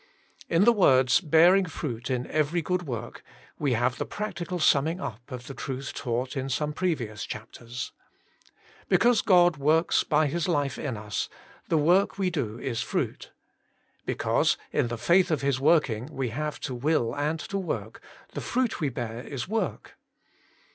In the words, ' bearing fruit in every good work,* we have the practical summing up of the truth taught in some previous chapters. Because God works by His life in us, the work we do is fruit. Because, in the faith of His working, we 66 Working for God 67 have to will and to work, the fruit we bear is work.